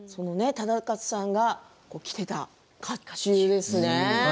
忠勝さんが着ていた甲冑ですね